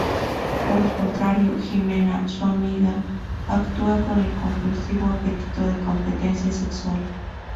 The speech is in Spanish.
Por el contrario Ximena, su amiga, actúa con un compulsivo apetito de competencia sexual.